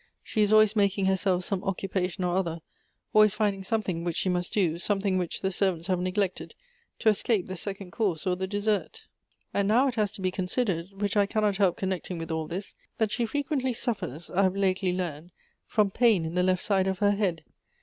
She is always making herself some occupation or other, always finding something which she must do, something which the servants have neglected, to escape the second course or the dessert ; and now it has to be considered (which I cannot help connecting with all this) that she frequently suffers, I have lately Elective Affinities. 29 learnt, fi om pain in the left side of her head.